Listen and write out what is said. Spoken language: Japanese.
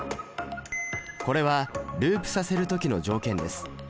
これはループさせる時の条件です。